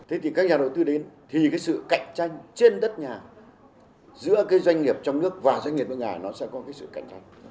thế thì các nhà đầu tư đến thì cái sự cạnh tranh trên đất nhà giữa cái doanh nghiệp trong nước và doanh nghiệp nước ngoài nó sẽ có cái sự cạnh tranh